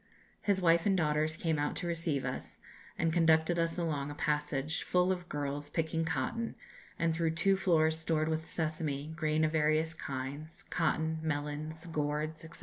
His wife and daughters came out to receive us, and conducted us along a passage full of girls picking cotton, and through two floors stored with sesame, grain of various kinds, cotton, melons, gourds, &c.